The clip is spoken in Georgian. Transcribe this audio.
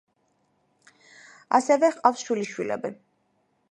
ასევე ჰყავს შვილიშვილები.